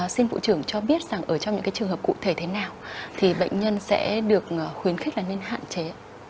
xin bộ trưởng cho biết rằng ở trong những trường hợp cụ thể thế nào thì bệnh nhân sẽ được khuyến khích là nên hạn chế